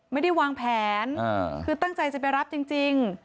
ไม่ได้วางแผนคือตั้งใจจะไปรับจริง